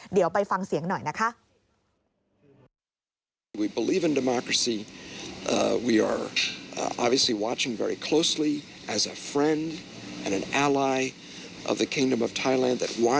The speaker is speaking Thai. เดี๋ยวไปฟังเสียงหน่อยนะคะ